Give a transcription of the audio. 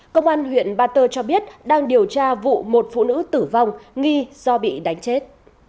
công an huyện ba tơ cho biết đang điều tra vụ một phụ nữ tử vong nghi do bị đánh chết